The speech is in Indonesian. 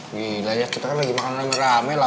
gila ya kita kan lagi makan sama ramai lah